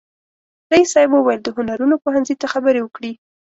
رئیس صاحب وویل د هنرونو پوهنځي ته خبرې وکړي.